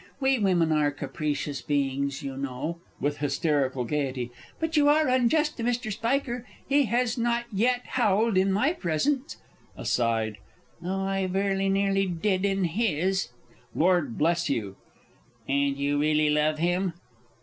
We women are capricious beings, you know. (With hysterical gaiety.) But you are unjust to Mr. Spiker he has not yet howled in my presence (aside) though I very nearly did in his! Lord B. And you really love him?